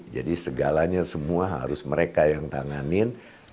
jadi segalanya semua harus mengerjakan